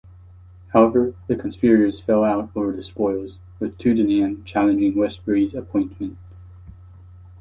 However, the conspirators fell out over the spoils, with Tudenham challenging Westbury's appointment.